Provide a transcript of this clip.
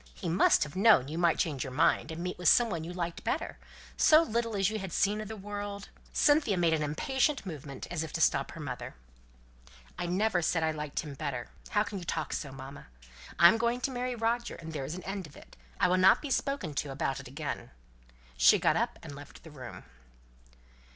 He must have known you might change your mind, and meet with some one you liked better: so little as you had seen of the world." Cynthia made an impatient movement, as if to stop her mother. "I never said I liked him better, how can you talk so, mamma? I'm going to marry Roger, and there's an end of it. I will not be spoken to about it again." She got up and left the room.